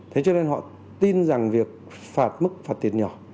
thế cho nên họ tin rằng việc phạt mức phạt tiền nhỏ